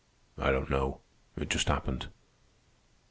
"I don't know. It just happened."